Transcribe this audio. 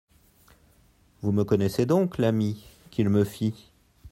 «, Vous me connaissez donc, l'ami ? qu'il me fit.